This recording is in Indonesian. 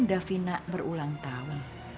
dan setelah itu